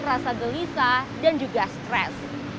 rasa gelisah dan juga stres